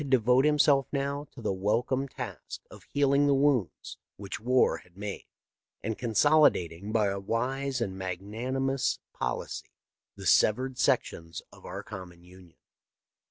devote himself now to the welcome task of healing the wounds which war had made, and consolidating by a wise and magnani mous policy the severed sections of our common Union.